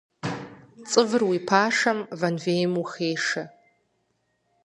Цӏывыр уи пашэм вэнвейм ухешэ.